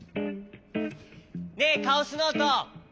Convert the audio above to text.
ねえカオスノート。